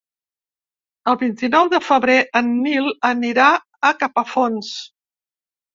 El vint-i-nou de febrer en Nil anirà a Capafonts.